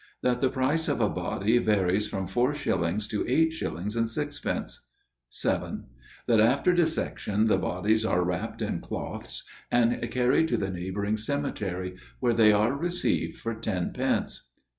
That the price of a body varies from four shillings to eight shillings and sixpence. 7. That after dissection, the bodies are wrapt in cloths, and carried to the neighbouring cemetery, where they are received for ten pence.